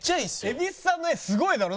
蛭子さんの絵すごいだろ？